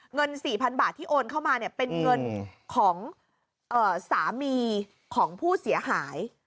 เงิน๔๐๐๐บาทที่โอนเข้ามาเป็นเงินของสามีของผู้เสียหาย